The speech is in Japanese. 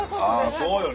そうよね。